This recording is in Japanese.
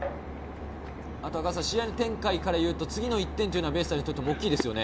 試合展開からいうと次の１点はベイスターズにとって大きいですよね。